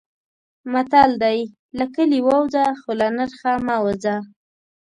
متل دی: له کلي ووځه خو له نرخه مه وځه.